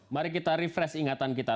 mari kita refresh ingatan kita